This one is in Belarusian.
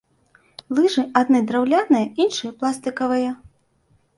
Лыжы адны драўляныя, іншыя пластыкавыя.